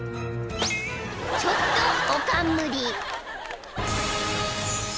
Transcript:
［ちょっとおかんむり］